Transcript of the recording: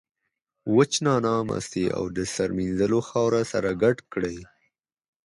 وچه نعناع، مستې او د سر مینځلو خاوره سره ګډ کړئ.